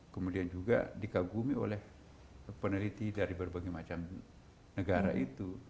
kemudian juga dikagumi oleh peneliti dari berbagai macam negara itu